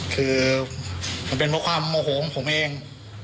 คือมันเป็นเพราะความโมโหของผมเอง